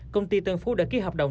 công ty tân phú đã ký hợp đồng